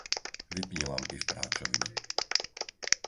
Vypni lampy v práčovni.